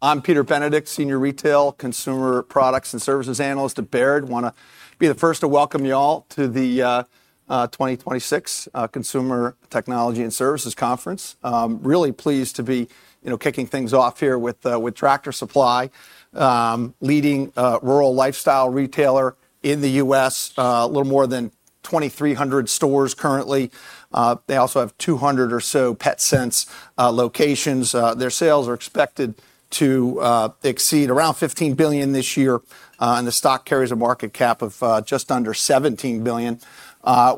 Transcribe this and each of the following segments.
I'm Peter Benedict, Senior Retail, Consumer Products, and Services Analyst at Baird. Want to be the first to welcome you all to the 2026 Consumer, Technology & Services conference. Really pleased to be kicking things off here with Tractor Supply, the leading rural lifestyle retailer in the U.S. A little more than 2,300 stores currently. They also have 200 or so Petsense locations. The stock carries a market cap of just under $17 billion.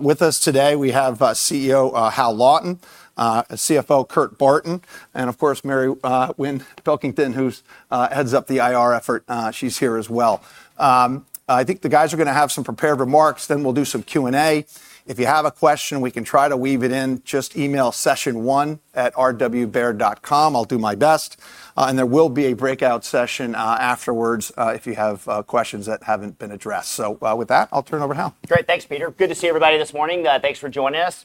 With us today, we have CEO, Hal Lawton, CFO, Kurt Barton, and of course, Mary Winn Pilkington, who heads up the IR effort. She's here as well. I think the guys are going to have some prepared remarks, and then we'll do some Q&A. If you have a question, we can try to weave it in, just email sessionone@rwbaird.com. I'll do my best. There will be a breakout session afterwards if you have questions that haven't been addressed. With that, I'll turn it over to Hal. Great. Thanks, Peter. Good to see everybody this morning. Thanks for joining us.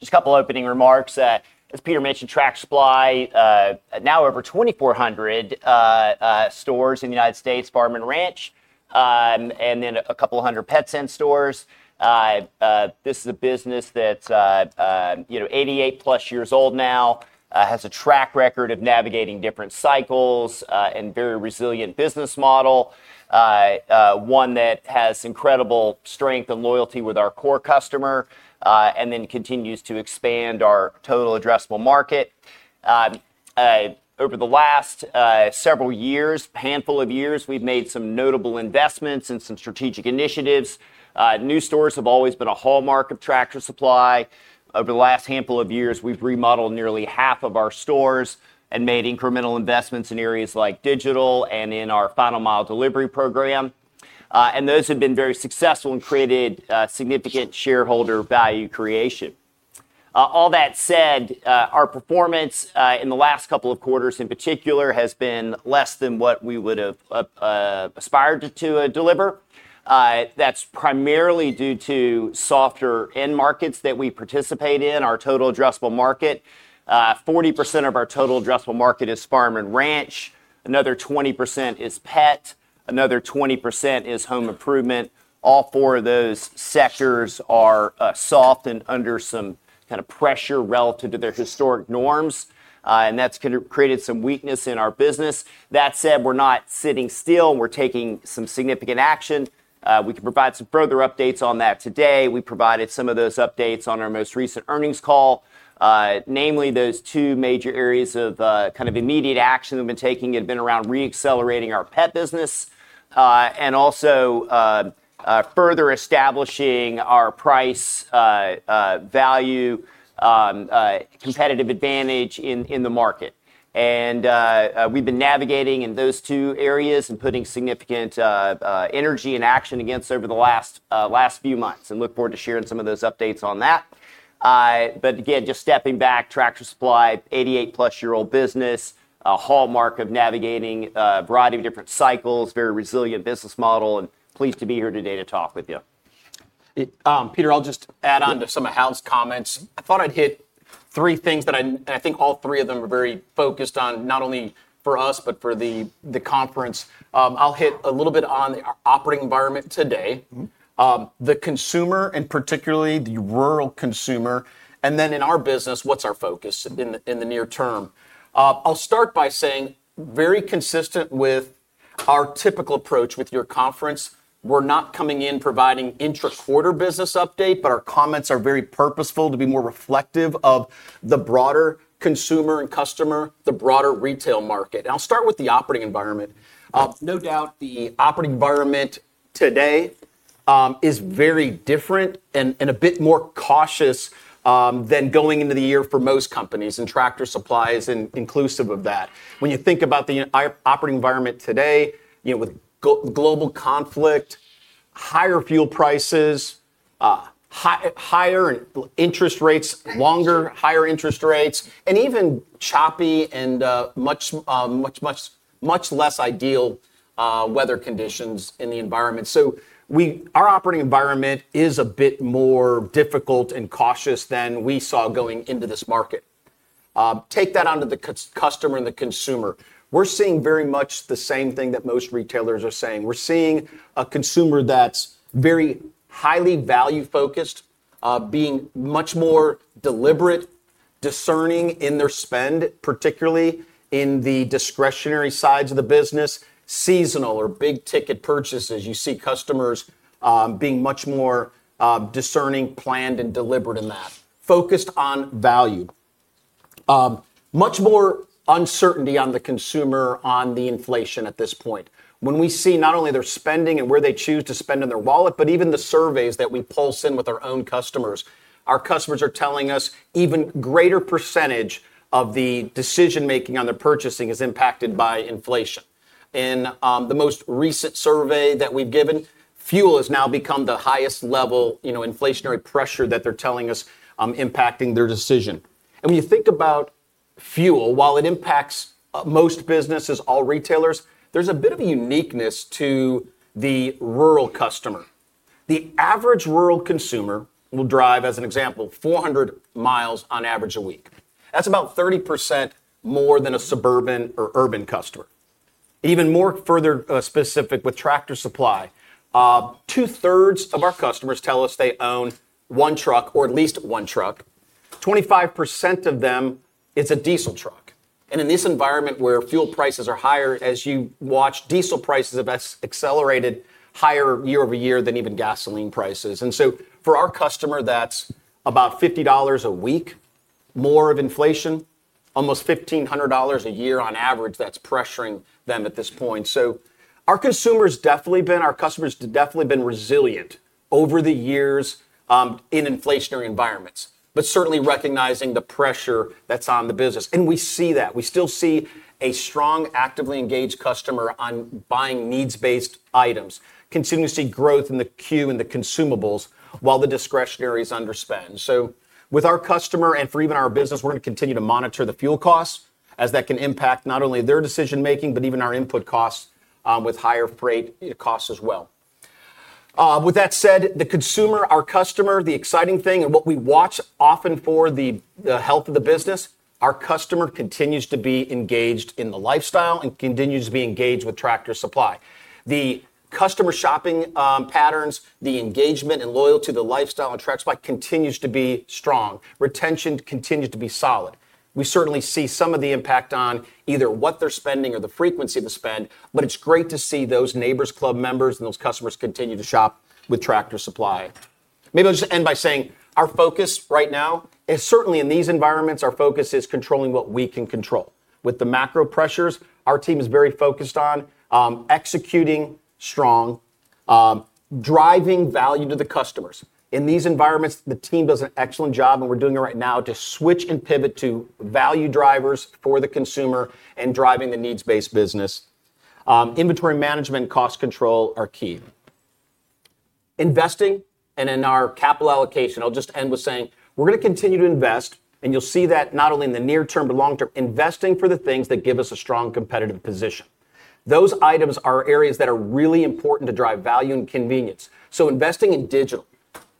Just a couple of opening remarks. As Peter mentioned, Tractor Supply, now over 2,400 stores in the U.S., Farm & Ranch, and then a couple of hundred Petsense stores. This is a business that's 88+ years old now, has a track record of navigating different cycles, and has a very resilient business model. One that has incredible strength and loyalty with our core customer and then continues to expand our total addressable market. Over the last several years, a handful of years, we've made some notable investments and some strategic initiatives. New stores have always been a hallmark of Tractor Supply. Over the last handful of years, we've remodeled nearly half of our stores and made incremental investments in areas like digital and in our Final Mile delivery program. Those have been very successful and created significant shareholder value creation. All that said, our performance in the last couple of quarters, in particular, has been less than what we would have aspired to deliver. That's primarily due to softer end markets that we participate in. Our total addressable market is 40% of our total addressable market, which is Farm & Ranch. Another 20% is pet. Another 20% is home improvement. All four of those sectors are soft and under some kind of pressure relative to their historic norms. That's created some weakness in our business. That said, we're not sitting still, and we're taking some significant action. We can provide some further updates on that today. We provided some of those updates on our most recent earnings call. Namely, those two major areas of immediate action we've been taking have been around re-accelerating our pet business and also further establishing our price-value competitive advantage in the market. We've been navigating in those two areas and putting significant energy and action against them over the last few months and look forward to sharing some of those updates on that. Again, just stepping back, Tractor Supply, an 88+-year-old business, is a hallmark of navigating a variety of different cycles, a very resilient business model, and pleased to be here today to talk with you. Peter, I'll just add onto some of Hal's comments. I thought I'd hit three things that I think all three of them are very focused on, not only for us but for the conference. I'll hit a little bit on our operating environment today. The consumer, particularly the rural consumer, is in our business, what's our focus in the near term? I'll start by saying, very consistent with our typical approach with your conference, we're not coming in providing an intra-quarter business update, but our comments are very purposeful to be more reflective of the broader consumer and customer, the broader retail market. I'll start with the operating environment. No doubt the operating environment today is very different and a bit more cautious than going into the year for most companies. Tractor Supply is inclusive of that. When you think about the operating environment today, with global conflict, higher fuel prices, higher interest rates, longer higher interest rates, and even choppy and much less ideal weather conditions in the environment, our operating environment is a bit more difficult and cautious than we saw going into this market. Take that onto the customer and the consumer. We're seeing very much the same thing that most retailers are saying. We're seeing a consumer that's very highly value-focused, being much more deliberate, discerning in their spend, particularly in the discretionary sides of the business, seasonal or big-ticket purchases. You see customers being much more discerning, planned, and deliberate in that, focused on value. Much more uncertainty on the consumer on the inflation at this point. When we see not only their spending and where they choose to spend in their wallet, but even the surveys that we pulse in with our own customers, our customers are telling us an even greater percentage of the decision-making on their purchasing is impacted by inflation. In the most recent survey that we've given, fuel has now become the highest level of inflationary pressure that they're telling us impacting their decision. When you think about fuel, while it impacts most businesses and all retailers, there's a bit of a uniqueness to the rural customer. The average rural consumer will drive, as an example, 400 miles on average a week. That's about 30% more than a suburban or urban customer. Even more specifically with Tractor Supply, 2/3 of our customers tell us they own one truck, or at least one truck. 25% of them are diesel trucks. In this environment where fuel prices are higher, as you watch, diesel prices have accelerated higher year-over-year than even gasoline prices. For our customer, that's about $50 a week more of inflation, almost $1,500 a year on average—that's pressuring them at this point. Our customer has definitely been resilient over the years in inflationary environments, but certainly recognizing the pressure that's on the business, and we see that. We still see a strong, actively engaged customer in buying needs-based items. Continue to see growth in the SKU and the consumables while the discretionary is underspent. With our customer and for even our business, we're going to continue to monitor the fuel costs, as that can impact not only their decision-making but even our input costs, with higher freight costs as well. With that said, the consumer, our customer, is the exciting thing and what we watch often for the health of the business, our customer continues to be engaged in the lifestyle and continues to be engaged with Tractor Supply. The customer shopping patterns, the engagement, and the loyalty to the lifestyle at Tractor Supply continue to be strong. Retention continues to be solid. We certainly see some of the impact on either what they're spending or the frequency of the spend, but it's great to see those Neighbor's Club members and those customers continue to shop with Tractor Supply. Maybe I'll just end by saying our focus right now is certainly in these environments; our focus is controlling what we can control. With the macro pressures, our team is very focused on executing strongly and driving value to the customers. In these environments, the team does an excellent job, and we're doing it right now to switch and pivot to value drivers for the consumer and driving the needs-based business. Inventory management and cost control are key. Investing in our capital allocation, I'll just end with saying we're going to continue to invest, and you'll see that not only in the near term but long term, investing for the things that give us a strong competitive position. Those items are areas that are really important to drive value and convenience. Investing in digital,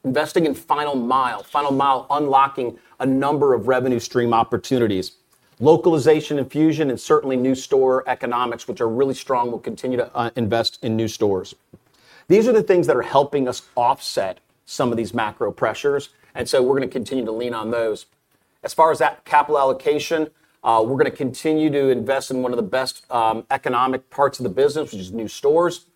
investing in the final mile, and unlocking a number of revenue stream opportunities. Localization and Fusion and certainly new store economics, which are really strong, will continue to invest in new stores. These are the things that are helping us offset some of these macro pressures. We're going to continue to lean on those. As far as that capital allocation, we're going to continue to invest in one of the best economic parts of the business, which is new stores.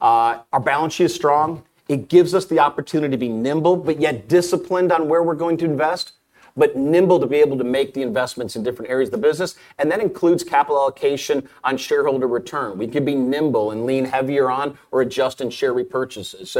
Our balance sheet is strong. It gives us the opportunity to be nimble but yet disciplined on where we're going to invest but nimble to be able to make the investments in different areas of the business. That includes capital allocation on shareholder return. We can be nimble and lean heavier on or adjust share repurchases.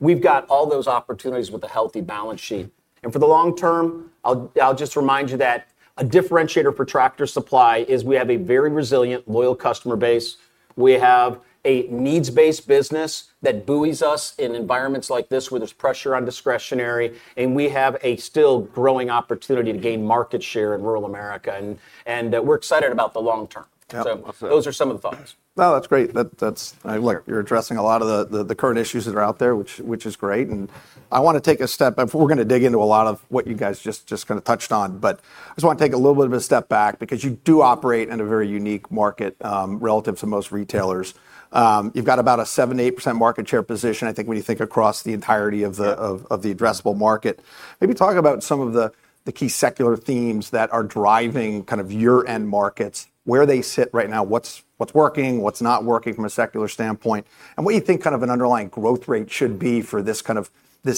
We've got all those opportunities with a healthy balance sheet. For the long term, I'll just remind you that a differentiator for Tractor Supply is we have a very resilient, loyal customer base. We have a needs-based business that buoys us in environments like this where there's pressure on discretionary spending, and we have a still-growing opportunity to gain market share in rural America, and we're excited about the long term. Yeah. Those are some of the thoughts. No, that's great. You're addressing a lot of the current issues that are out there, which is great, and I want to take a step. We're going to dig into a lot of what you guys just touched on, but I just want to take a little bit of a step back because you do operate in a very unique market, relative to most retailers. You've got about a 7%-8% market share position, I think when you think across the entirety of the addressable market. Maybe talk about some of the key secular themes that are driving your end markets, where they sit right now, what's working, what's not working from a secular standpoint, and what you think an underlying growth rate should be for this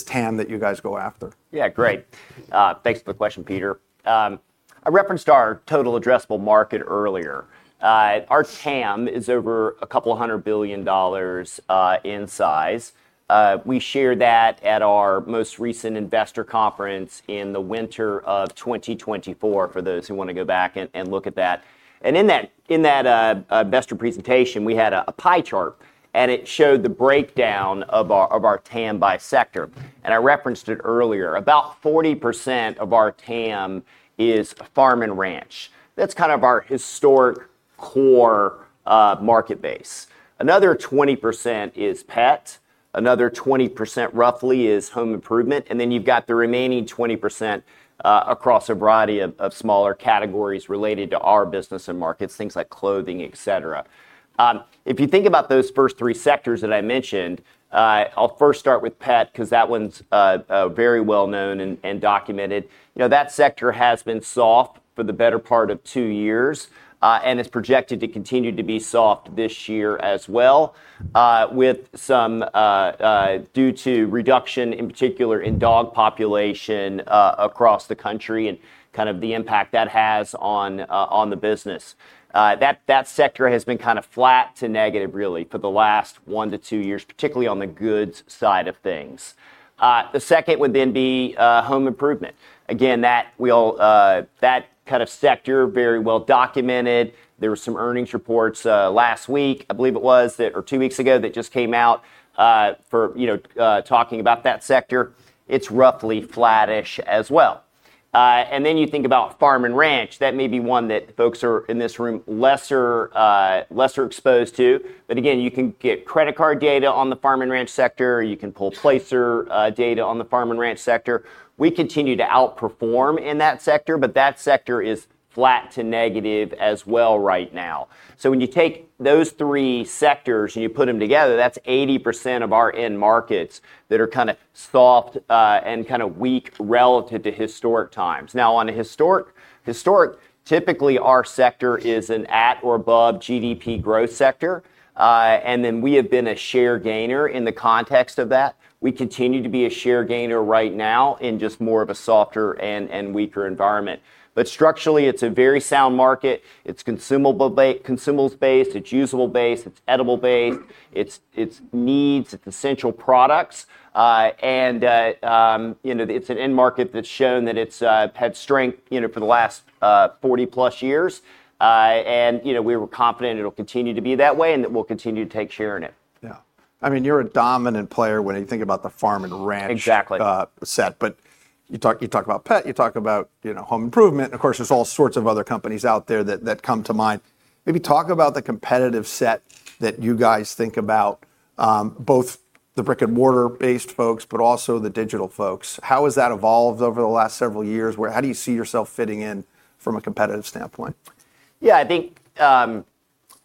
TAM that you guys go after. Yeah. Great. Thanks for the question, Peter. I referenced our total addressable market earlier. Our TAM is over a couple of hundred billion dollars in size. We shared that at our most recent investor conference in the winter of 2024, for those who want to go back and look at that. In that investor presentation, we had a pie chart, and it showed the breakdown of our TAM by sector. I referenced it earlier. About 40% of our TAM is Farm & Ranch. That's kind of our historic core market base. Another 20% is pet. Another 20%, roughly, is home improvement. You've got the remaining 20% across a variety of smaller categories related to our business and markets, things like clothing, et cetera. If you think about those first three sectors that I mentioned, I'll first start with pet because that one's very well-known and documented. That sector has been soft for the better part of two years, and it's projected to continue to be soft this year as well, due to a reduction in particular in the dog population across the country and the impact that has on the business. That sector has been kind of flat to negative, really, for the last one to two years, particularly on the goods side of things. The second would then be home improvement. Again, that kind of sector is very well documented. There were some earnings reports last week, I believe it was, or two weeks ago that just came out talking about that sector. It's roughly flattish as well. Then you think about Farm & Ranch. That may be one that folks who are in this room are less exposed to. Again, you can get credit card data on the Farm & Ranch sector; you can pull Placer.ai data on the Farm & Ranch sector. We continue to outperform in that sector; that sector is flat to negative as well right now. When you take those three sectors and you put them together, that's 80% of our end markets that are kind of soft and kind of weak relative to historic times. Historically, our sector is an at or above GDP growth sector. We have been a share gainer in the context of that. We continue to be a share gainer right now in just more of a softer and weaker environment. Structurally, it's a very sound market. It's consumables-based, it's usable-based, and it's edible-based. It's needs, its essential products. It's an end market that's shown that it's had strength for the last 40+ years. We're confident it'll continue to be that way and that we'll continue to take a share in it. Yeah. You're a dominant player when you think about the Farm & Ranch— Exactly set. You talk about pets, you talk about home improvement; of course, there are all sorts of other companies out there that come to mind. Maybe talk about the competitive set that you guys think about, both the brick-and-mortar-based folks and the digital folks. How has that evolved over the last several years? How do you see yourself fitting in from a competitive standpoint? Yeah, I think,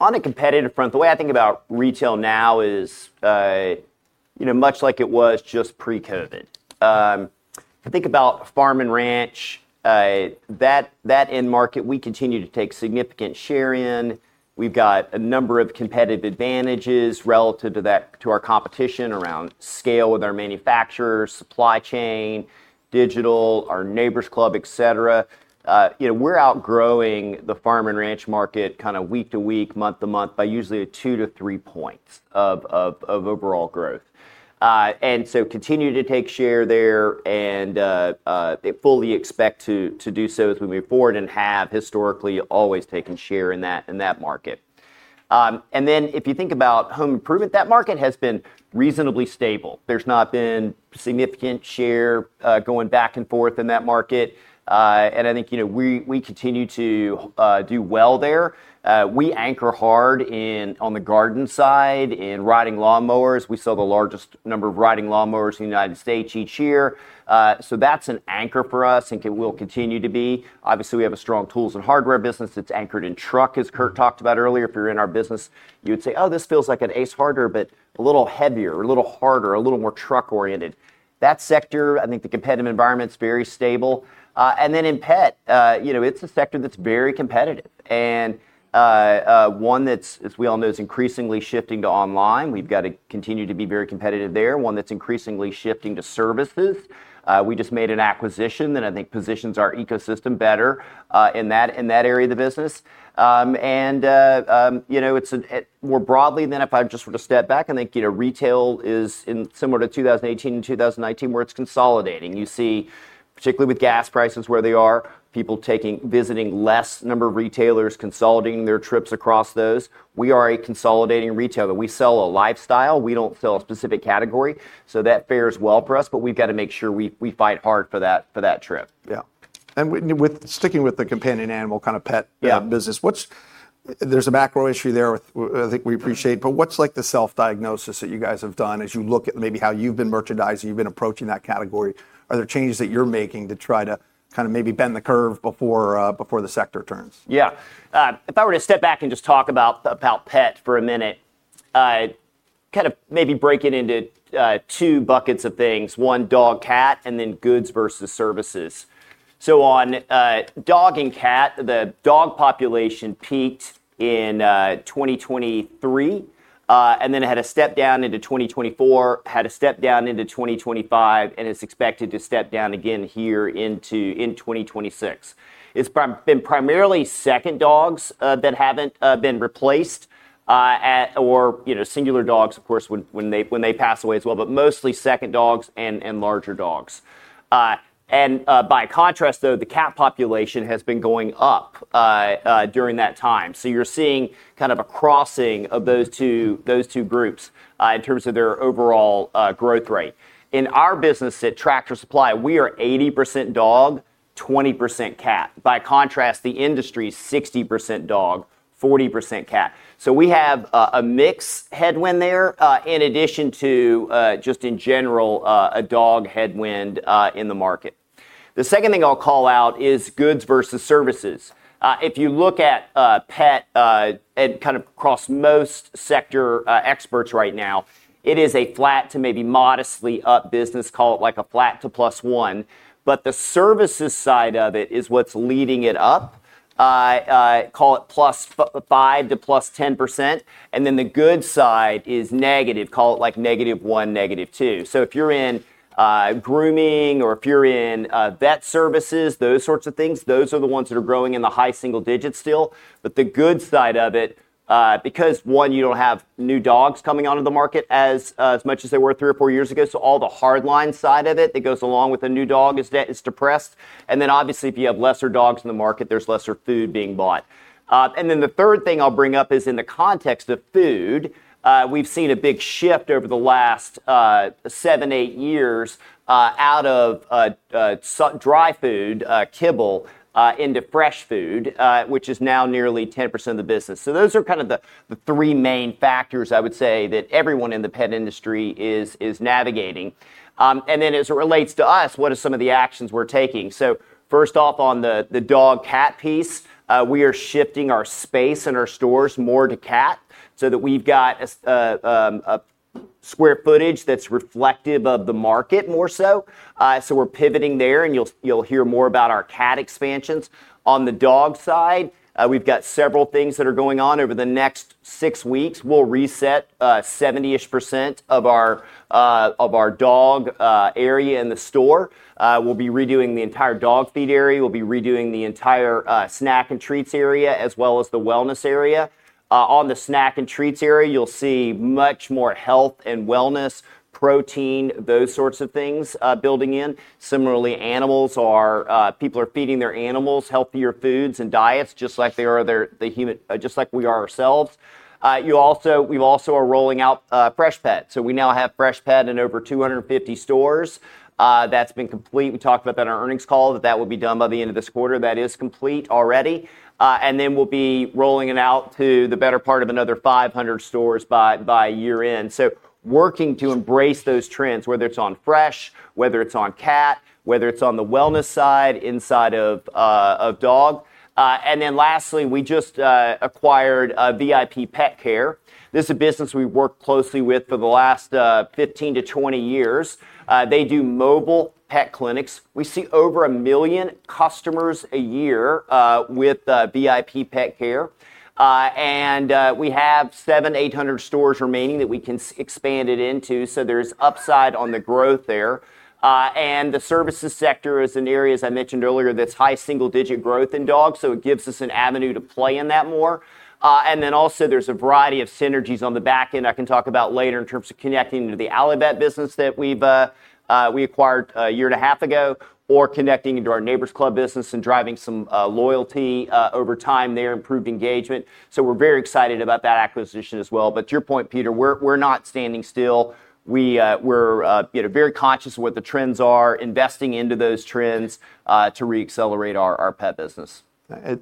on a competitive front, the way I think about retail now is much like it was just pre-COVID. If you think about Farm & Ranch, that end market, we continue to take significant share. We've got a number of competitive advantages relative to our competition around scale with our manufacturers, supply chain, digital, our Neighbor's Club, et cetera. We're outgrowing the Farm & Ranch market kind of week to week, month to month, by usually two to three points of overall growth. Continuing to take share there and fully expect to do so as we move forward, and have historically always taken share in that market. If you think about home improvement, that market has been reasonably stable. There's not been significant share going back and forth in that market. I think we continue to do well there. We anchor hard on the garden side, in riding lawnmowers. We sell the largest number of riding lawnmowers in the U.S. each year. That's an anchor for us and will continue to be. Obviously, we have a strong tools and hardware business that's anchored in trucks, as Kurt talked about earlier. If you're in our business, you'd say, Oh, this feels like an Ace Hardware, but a little heavier, a little harder, a little more truck-oriented. That sector, I think, the competitive environment's very stable. In pet, it's a sector that's very competitive and one that's, as we all know, increasingly shifting to online. We've got to continue to be very competitive there. One that's increasingly shifting to services. We just made an acquisition that I think positions our ecosystem better in that area of the business. More broadly, if I were just to step back, I think retail is in similar to 2018 and 2019, where it's consolidating. You see, particularly with gas prices where they are, people are visiting less number of retailers, consolidating their trips across those. We are a consolidating retailer. We sell a lifestyle. We don't sell a specific category, so that fares well for us, but we've got to make sure we fight hard for that trip. Yeah. sticking with the companion animal kind of pet business— Yeah there's a macro issue there I think we appreciate, but what's like the self-diagnosis that you guys have done as you look at maybe how you've been merchandising and how you've been approaching that category? Are there changes that you're making to try to kind of maybe bend the curve before the sector turns? Yeah. If I were to step back and just talk about pets for a minute, kind of maybe break it into two buckets of things. One, dog, cat, goods versus services. On dogs and cats, the dog population peaked in 2023, it had a step down into 2024, had a step down into 2025, and is expected to step down again here in 2026. It's been primarily second dogs that haven't been replaced, or singular dogs, of course, when they pass away as well, but mostly second dogs and larger dogs. By contrast, though, the cat population has been going up during that time. You're seeing kind of a crossing of those two groups in terms of their overall growth rate. In our business at Tractor Supply, we are 80% dog, 20% cat. By contrast, the industry is 60% dog, 40% cat. We have a mixed headwind there, in addition to just, in general, a dog headwind in the market. The second thing I'll call out is goods versus services. If you look at pet and kind of across most sector experts right now, it is a flat to maybe modestly up business, call it like a flat to +1. The services side of it is what's leading it up. Call it +5% to +10%. The goods side is negative; call it like -1, -2. If you're in grooming or if you're in vet services or those sorts of things, those are the ones that are growing in the high single digits still. The good side of it, because, one, you don't have new dogs coming onto the market as much as they were three or four years ago, so all the hard-line side of it that goes along with a new dog is depressed. Obviously, if you have fewer dogs in the market, there's less food being bought. The third thing I'll bring up is in the context of food; we've seen a big shift over the last seven or eight years, out of dry food, kibble, into fresh food, which is now nearly 10% of the business. Those are kind of the three main factors, I would say, that everyone in the pet industry is navigating. As it relates to us, what are some of the actions we're taking? First off on the dog/cat piece, we are shifting our space in our stores more to cat so that we've got a square footage that's reflective of the market more so. We're pivoting there, and you'll hear more about our cat expansions. On the dog side, we've got several things that are going on. Over the next six weeks, we'll reset 70-ish% of our dog area in the store. We'll be redoing the entire dog feed area; we'll be redoing the entire snack and treats area, as well as the wellness area. In the snack and treats area, you'll see much more health and wellness, protein, and those sorts of things built in. Similarly, people are feeding their animals healthier foods and diets just like we are ourselves. We also are rolling out Freshpet. We now have Freshpet in over 250 stores. That's been complete. We talked about that on our earnings call, that that would be done by the end of this quarter. That is complete already. We'll be rolling it out to the better part of another 500 stores by year-end. Working to embrace those trends, whether it's on fresh, whether it's on cat, or whether it's on the wellness side inside of dog. Lastly, we just acquired VIP Petcare. This is a business we have worked closely with for the last 15-20 years. They do mobile pet clinics. We see over 1 million customers a year with VIP Petcare. We have 700, 800 stores remaining that we can expand it into, so there's upside on the growth there. The services sector is an area, as I mentioned earlier, that's high single-digit growth in dogs, so it gives us an avenue to play in that more. There's a variety of synergies on the back end I can talk about later in terms of connecting to the Allivet business that we acquired a year and a half ago or connecting into our Neighbor's Club business and driving some loyalty over time there, improved engagement. We're very excited about that acquisition as well. To your point, Peter, we're not standing still. We're very conscious of what the trends are, investing in those trends to re-accelerate our pet business.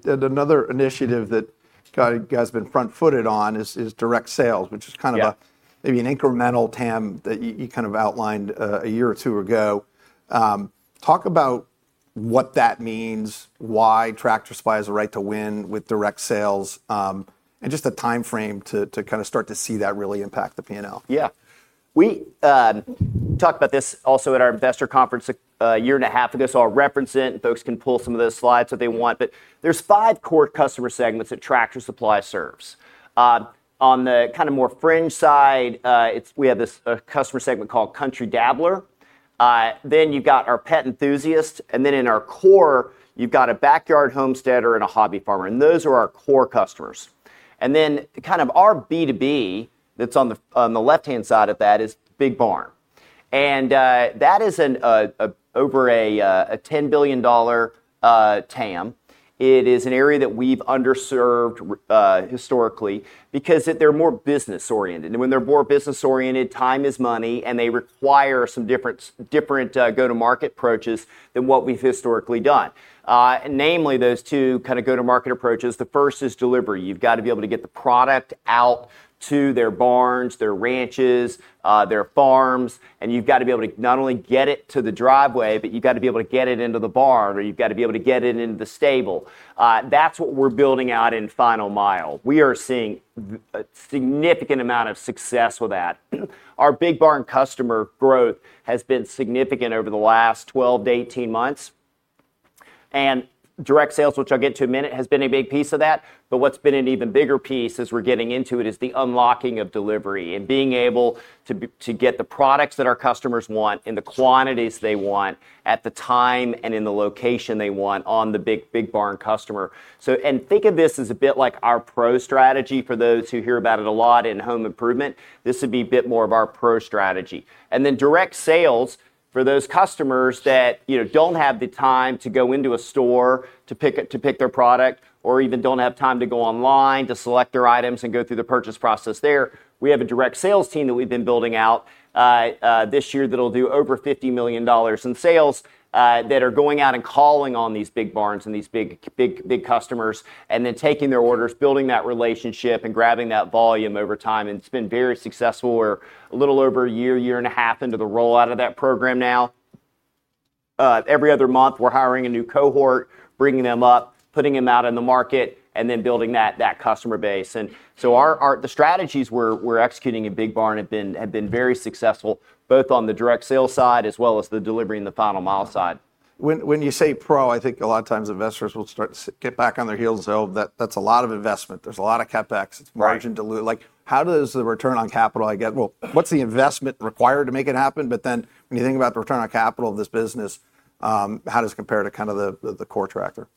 Another initiative that you guys have been front-footed on is direct sales. Yeah which is kind of maybe an incremental TAM that you kind of outlined a year or two ago. Talk about what that means, why Tractor Supply is a right to win with direct sales, and just a timeframe to kind of start to see that really impact the P&L. We talked about this also at our investor conference a year and a half ago. I'll reference it, and folks can pull some of those slides if they want. There are five core customer segments that Tractor Supply serves. On the kind of more fringe side, we have this customer segment called Country Dabbler. You've got our pet enthusiast. In our core, you've got a backyard homesteader and a hobby farmer. Those are our core customers. Kind of our B2B that's on the left-hand side of that is Big Barn. That is over a $10 billion TAM. It is an area that we've underserved historically because they're more business-oriented. When they're more business-oriented, time is money. They require some different go-to-market approaches than what we've historically done. Namely, those two kind of go-to-market approaches. The first is delivery. You've got to be able to get the product out to their barns, their ranches, and their farms, and you've got to be able to not only get it to the driveway, but you've got to be able to get it into the barn, or you've got to be able to get it into the stable. That's what we're building out in Final Mile. We are seeing a significant amount of success with that. Our Big Barn customer growth has been significant over the last 12-18 months. Direct sales, which I'll get to in a minute, has been a big piece of that, but what's been an even bigger piece as we're getting into it is the unlocking of delivery and being able to get the products that our customers want in the quantities they want at the time and in the location they want on the Big Barn customer. Think of this as a bit like our pro strategy for those who hear about it a lot in home improvement. This would be a bit more of our pro strategy. Direct sales for those customers that don't have the time to go into a store to pick their product, or even don't have time to go online to select their items and go through the purchase process there. We have a direct sales team that we've been building out this year that'll do over $50 million in sales that are going out and calling on these Big Barns and these big customers and then taking their orders, building that relationship, and grabbing that volume over time, and it's been very successful. We're a little over a year and a half into the rollout of that program now. Every other month, we're hiring a new cohort, bringing them up, putting them out in the market, and then building that customer base. The strategies we're executing at Big Barn have been very successful, both on the direct sales side as well as on the delivery and the Final Mile side. When you say pro, I think a lot of times investors will start to get back on their heels. Oh, that's a lot of investment. There's a lot of CapEx. Right. Margin dilute. How is the return on capital? Well, what's the investment required to make it happen? When you think about the return on capital of this business, how does it compare to the core Tractor?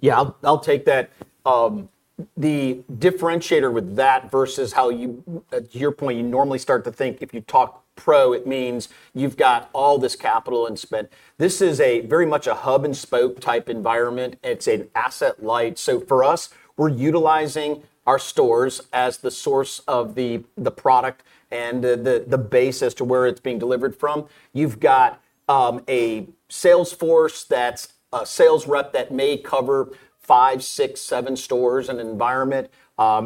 Yeah, I'll take that. The differentiator with that versus how you, to your point, you normally start to think if you talk pro, it means you've got all this capital and spend. This is very much a hub-and-spoke type environment. It's asset-light. For us, we're utilizing our stores as the source of the product and the base as to where it's being delivered from. You've got a sales force, a sales rep that may cover five, six, or seven stores, and an environment.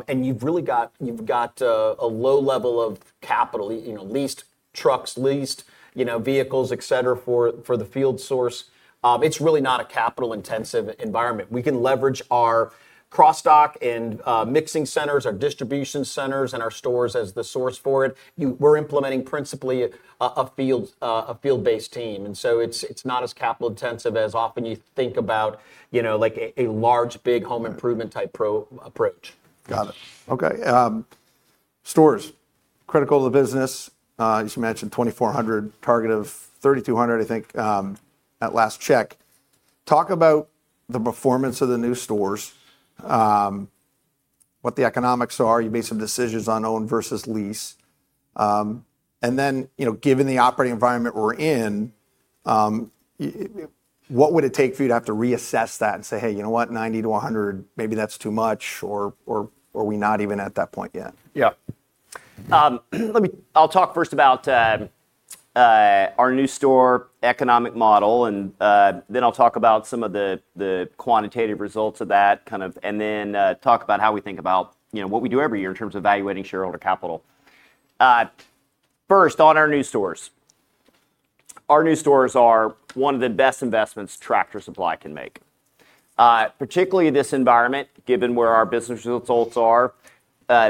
You've really got a low level of capital, leased trucks, leased vehicles, et cetera, for the field force. It's really not a capital-intensive environment. We can leverage our cross-dock and mixing centers, our distribution centers, and our stores as the source for it. We're implementing principally a field-based team, and so it's not as capital intensive as you often think about a large, big home improvement-type pro approach. Got it. Okay. Stores are critical to the business. As you mentioned, 2,400, target of 3,200, I think, at last check. Talk about the performance of the new stores, what the economics are. You made some decisions on own versus leasing. Then, given the operating environment we're in, what would it take for you to have to reassess that and say, Hey, you know what? 90-100, maybe that's too much," or are we not even at that point yet? I'll talk first about our new store economic model, then I'll talk about some of the quantitative results of that kind of, then talk about how we think about what we do every year in terms of evaluating shareholder capital. On our new store. Our new stores are one of the best investments Tractor Supply can make. Particularly this environment, given where our business results are,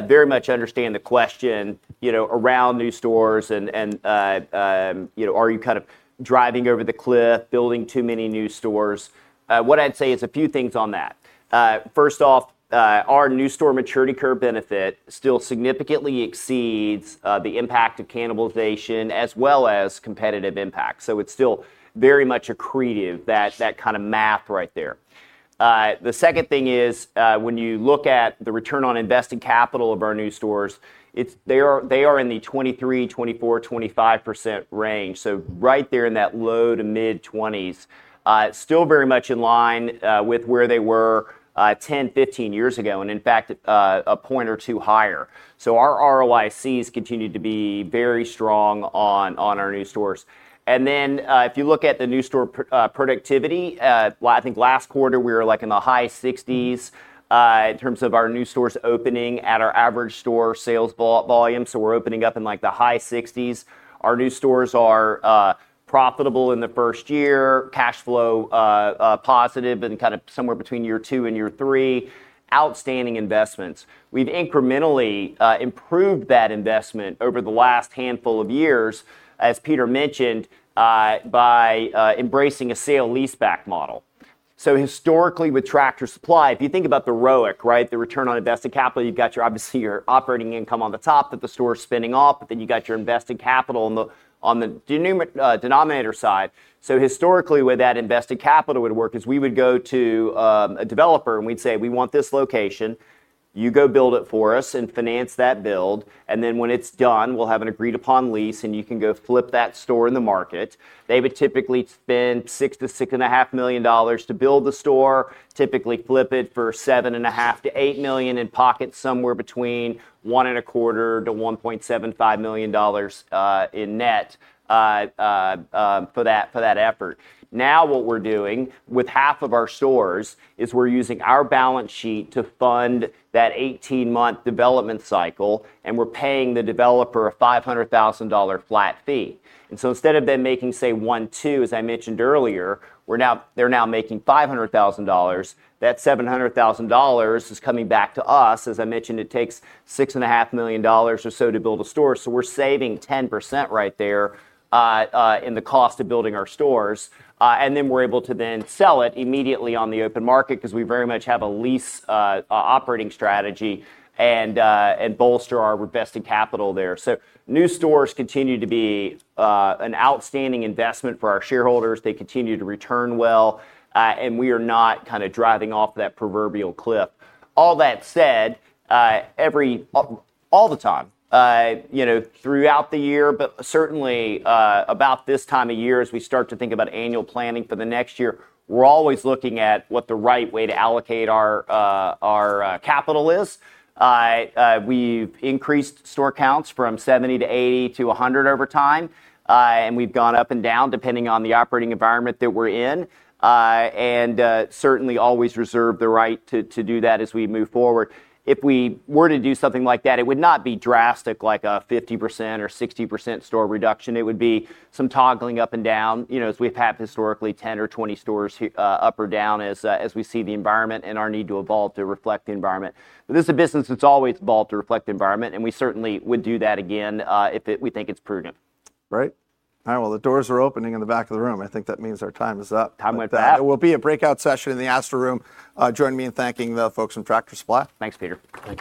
very much understand the question around new stores and whether you are kind of driving over the cliff, building too many new stores. What I'd say is a few things on that. Our new store maturity curve benefit still significantly exceeds the impact of cannibalization as well as competitive impact. It's still very much accretive, that kind of math right there. The second thing is, when you look at the return on invested capital of our new stores, they are in the 23%, 24%, 25% range. Right there in that low to mid-20s. Still very much in line with where they were 10, 15 years ago, and in fact, a point or two higher. Our ROICs continue to be very strong on our new stores. If you look at the new store productivity, I think last quarter we were in the high 60s in terms of our new stores opening at our average store sales volume. We're opening up in the high 60s. Our new stores are profitable in the first year, cash flow positive in kind of somewhere between year two and year three. Outstanding investments. We've incrementally improved that investment over the last handful of years, as Peter mentioned, by embracing a sale-leaseback model. Historically, with Tractor Supply, if you think about the ROIC, the return on invested capital, you've got obviously your operating income on the top that the store's spinning off, but then you've got your invested capital on the denominator side. Historically, the way that invested capital would work is we would go to a developer, and we'd say, We want this location. You go build it for us and finance that build, and then when it's done, we'll have an agreed-upon lease, and you can go flip that store in the market. They would typically spend $6 million-$6.5 million to build the store, typically flip it for $7.5 million-$8 million, and pocket somewhere between $1.25 million-$1.75 million in net for that effort. What we're doing with half of our stores is we're using our balance sheet to fund that 18-month development cycle, and we're paying the developer a $500,000 flat fee. Instead of them making, say, one or two, as I mentioned earlier, they're now making $500,000. That $700,000 is coming back to us. As I mentioned, it takes $6.5 million or so to build a store, so we're saving 10% right there in the cost of building our stores. We're able to then sell it immediately on the open market because we very much have a lease operating strategy and bolster our invested capital there. New stores continue to be an outstanding investment for our shareholders. They continue to return well. We are not kind of driving off that proverbial cliff. All that said, all the time, throughout the year, but certainly about this time of year as we start to think about annual planning for the next year, we're always looking at what the right way to allocate our capital is. We've increased store counts from 70-80-100 over time. We've gone up and down depending on the operating environment that we're in. Certainly always reserve the right to do that as we move forward. If we were to do something like that, it would not be drastic, like a 50% or 60% store reduction. It would be some toggling up and down, as we've had historically 10 or 20 stores up or down as we see the environment and our need to evolve to reflect the environment. This is a business that's always evolved to reflect the environment, and we certainly would do that again if we think it's prudent. Right. All right, well, the doors are opening in the back of the room. I think that means our time is up. Time went fast. There will be a breakout session in the Astor Room. Join me in thanking the folks from Tractor Supply. Thanks, Peter. Thank you